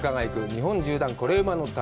日本縦断コレうまの旅」。